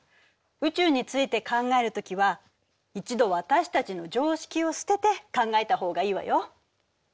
宇宙について考えるときは一度私たちの常識を捨てて考えた方がいいわよ。